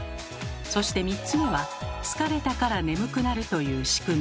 そして３つ目は疲れたから眠くなるというしくみ。